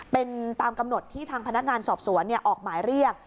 เป็นตามกำหนดที่ทางพนักงานสอบสวนออกหมายเรียก